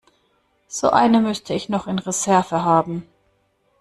So eine müsste ich noch in Reserve haben.